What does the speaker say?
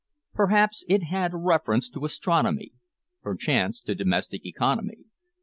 Perhaps it had reference to astronomy, perchance to domestic economy.